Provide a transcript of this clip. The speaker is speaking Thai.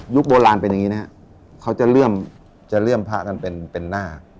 โบราณเป็นอย่างนี้นะครับเขาจะเลื่อมพระกันเป็นหน้า